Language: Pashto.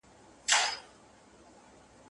ایا شاګرد باید د موضوع اړوند نظریې وپېژني؟